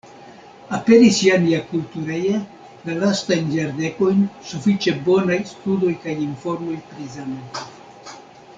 Aperis ja niakultureje la lastajn jardekojn sufiĉe bonaj studoj kaj informoj pri Zamenhof.